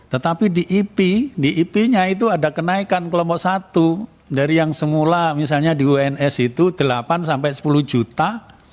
tetapi di ip di ip nya itu ada kenaikan kelompok satu dari yang semula misalnya di uns itu delapan sampai sepuluh juta